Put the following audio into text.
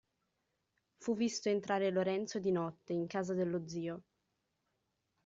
Fu visto entrare Lorenzo di notte, in casa dello zio.